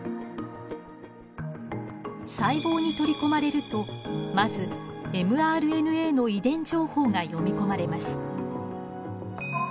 細胞に取り込まれるとまずｍＲＮＡの遺伝情報が読み込まれます。